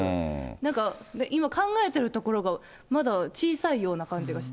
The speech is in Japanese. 何か今考えてるところがまだ小さいような感じがして。